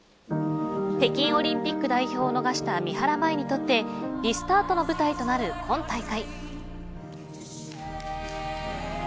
北京オリンピック代表を逃した三原舞依にとってリスタートの舞台となる今大会。